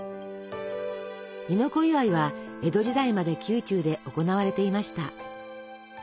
「亥の子祝い」は江戸時代まで宮中で行われていました。